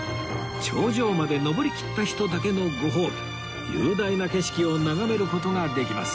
頂上まで登りきった人だけのご褒美雄大な景色を眺める事ができます